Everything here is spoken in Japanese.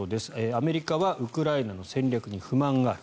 アメリカはウクライナの戦略に不満がある。